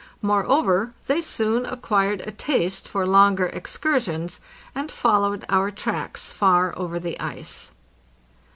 Moreover, they soon acquired a taste for longer ex cursions, and followed our tracks far over the ice.